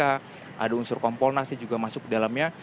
ada unsur komponasi juga masuk ke dalamnya